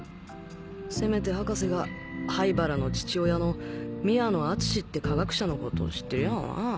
せめて博士が灰原の父親の宮野厚司って科学者のことを知ってりゃなぁ。